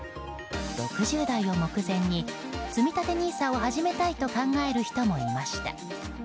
６０代を目前につみたてＮＩＳＡを始めたいと考える人もいました。